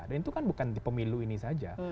dan itu kan bukan dipengaruhi